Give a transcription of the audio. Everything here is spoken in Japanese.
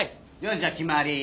じゃあ決まり。